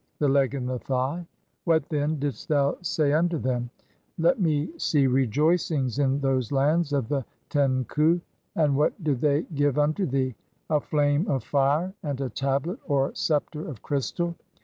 The leg and the thigh. What, then, (23) didst thou say "unto them ? Let me see rejoicings in those lands of the Ten "khu. 1 And what did they give unto thee? A flame of (24) fire "and a tablet {or sceptre) of crystal.